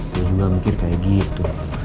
gua juga mikir kayak gitu